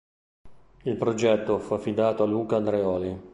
Il progetto fu affidato a Luca Andreoli.